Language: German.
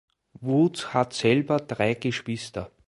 Woods hat selber drei Geschwister.